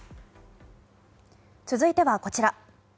続いてはこちら。